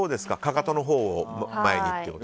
かかとのほうを前にと。